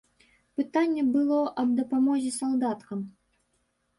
Пытанне было аб дапамозе салдаткам.